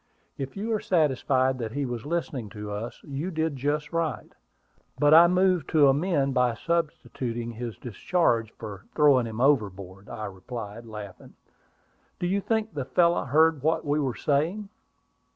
"If you are satisfied that he was listening to us, you did just right. But I move to amend by substituting his discharge for throwing him overboard," I replied, laughing. "Do you think the fellow heard what we were saying?"